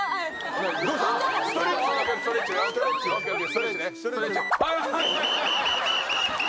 ストレッチね。